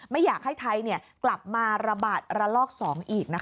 ไม่อยากให้ไทยเนี่ยกลับมาระบาดระลอกสองอีกนะคะ